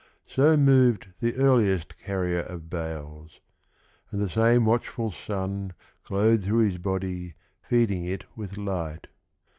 So moved the earliest carrier of bales, And the same watchful sun Glowed through his body feeding it with light.